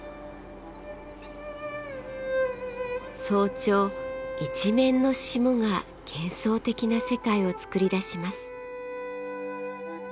早朝一面の霜が幻想的な世界を作り出します。